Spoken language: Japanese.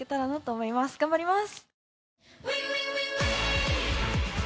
頑張ります！